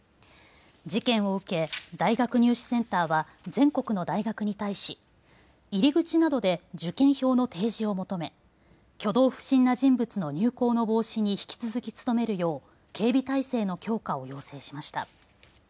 事件を受け大学入試センターは全国の大学に対し入り口などで受験票の提示を求め挙動不審な人物の入構の防止に引き続き努めるよう警備体制の強化を要請しました。